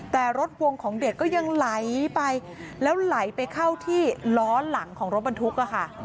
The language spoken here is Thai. แต่รถวงของเด็กก็ยังไหลไปแล้วไหลไปเข้าที่ล้อหลังของรถบรรทุกค่ะ